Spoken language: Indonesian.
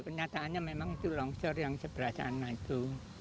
kenyataannya memang itu longsor yang sebelah sana itu